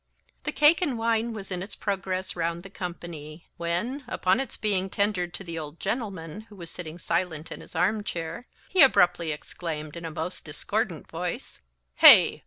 The cake and wine was in its progress round the company; when, upon its being tendered to the old gentleman, who was sitting silent in his arm chair, he abruptly exclaimed, in a most discordant voice, "Hey!